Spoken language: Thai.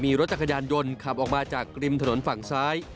มีรถจักรยานยนต์ขับออกมาจากริมถนนฝั่งซ้าย